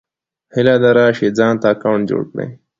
هيله ده راشٸ ځانته اکونټ جوړ کړى